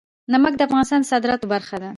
نمک د افغانستان د صادراتو برخه ده.